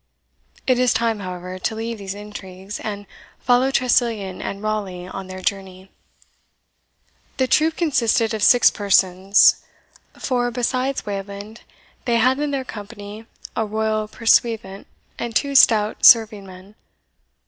It is time, however, to leave these intrigues, and follow Tressilian and Raleigh on their journey. The troop consisted of six persons; for, besides Wayland, they had in company a royal pursuivant and two stout serving men.